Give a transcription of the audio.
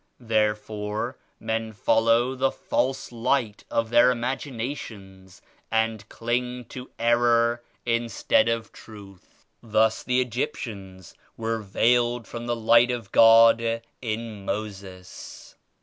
Therefore men follow the false light of their imaginations and cling to error instead of truth. Thus the Egyptians were veiled from the Light of God in Moses.